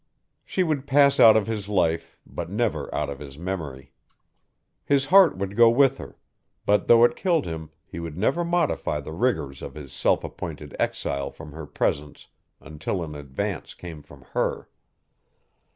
She would pass out of his life but never out of his memory. His heart would go with her, but though it killed him he would never modify the rigors of his self appointed exile from her presence until an advance came from her.